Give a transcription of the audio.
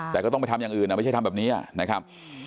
แต่ก็ต้องไปทำอย่างอื่นไม่ใช่ทำแบบนี้นะครับ